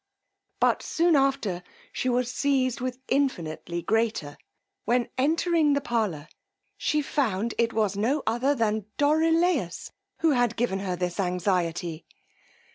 But soon after she was seized with infinitely greater, when, entering the parlour, she found it was no other than Dorilaus who had given her this anxiety.